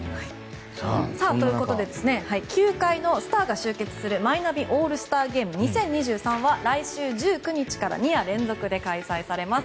ということで球界のスターが集結するマイナビオールスターゲーム２０２３は来週１９日から２夜連続で開催されます。